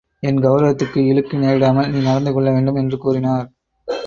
என் கெளரவத்துக்கு இழுக்கு நேரிடாமல், நீ நடந்து கொள்ள வேண்டும் என்று கூறினார்.